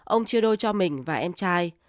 ông chia đôi cho mình và em trai